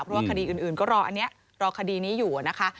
เพราะว่าคดีอื่นก็รออันนี้รอคดีนี้อยู่นะคะ